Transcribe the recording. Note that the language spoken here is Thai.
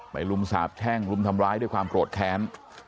ลุมสาบแช่งรุมทำร้ายด้วยความโกรธแค้น